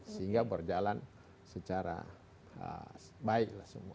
sehingga berjalan secara baiklah semua